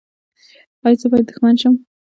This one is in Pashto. ایا زه باید دښمن شم؟